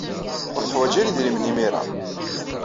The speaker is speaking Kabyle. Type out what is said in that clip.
Ur teḥwaj ara idrimen imir-a.